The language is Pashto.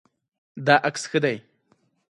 دا عکس ښه دی